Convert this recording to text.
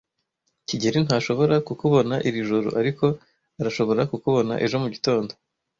kigeli ntashobora kukubona iri joro, ariko arashobora kukubona ejo mugitondo.